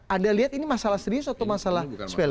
anda lihat ini masalah serius atau masalah swell